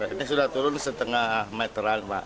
ini sudah turun setengah meteran pak